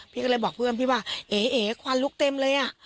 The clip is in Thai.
พี่ก็เลยบอกเพื่อนพี่ว่าเอ๋ควันลุกเต็มเลยอ่ะ